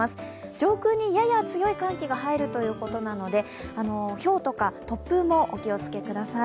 上空にやや強い寒気が入るということなので、ひょうとか突風もお気をつけください。